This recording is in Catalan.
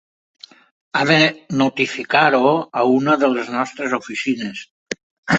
Ha de notificar-ho a una de les nostres oficines.